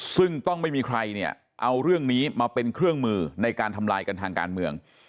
ซึ่งต้องไม่มีใครเนี่ยเอาเรื่องนี้มาเป็นเครื่องมือในการทำลายกันทางการเมือง